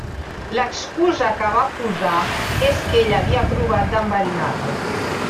L'excusa que va posar és que ella havia provat d'enverinar-lo.